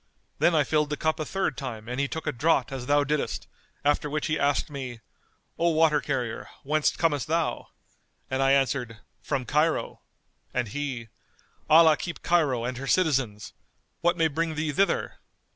Then I filled the cup a third time and he took a draught as thou diddest; after which he asked me, 'O water carrier, whence comest thou?' And I answered, 'From Cairo,' and he, 'Allah keep Cairo and her citizens! What may bring thee thither?